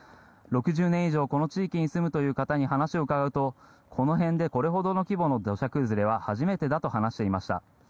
６０年以上、この地域に住むという方に話を伺うとこの辺りで、これくらいの規模の土砂崩れは初めてだとおっしゃっていました。